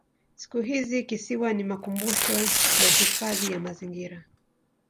Siku hizi kisiwa ni makumbusho na hifadhi ya mazingira.